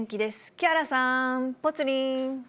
木原さん、ぽつリン。